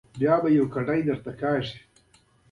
دلته یو ګډ ټکی د برېټانوي واکمنۍ او سټیونز رژیم ترمنځ شته.